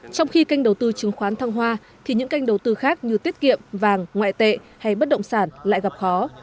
trong khi kênh đầu tư chứng khoán thăng hoa thì những kênh đầu tư khác như tiết kiệm vàng ngoại tệ hay bất động sản lại gặp khó